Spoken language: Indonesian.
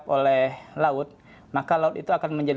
bahwa kelebihan pemanasan dari matahari yang disimpan oleh atmosfer tadi